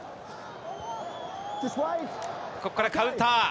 ここからカウンター。